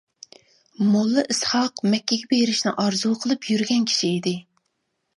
موللا ئىسھاق مەككىگە بېرىشنى ئارزۇ قىلىپ يۈرگەن كىشى ئىدى.